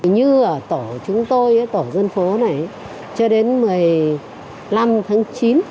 như ở tổ chúng tôi tổ dân phố này cho đến một mươi năm tháng chín